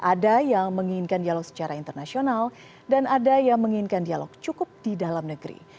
ada yang menginginkan dialog secara internasional dan ada yang menginginkan dialog cukup di dalam negeri